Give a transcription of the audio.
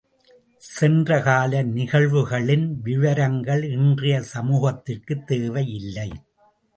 சென்ற கால நிகழ்வுகளின் விவரங்கள் இன்றைய சமூகத்திற்குத் தேவையில்லை.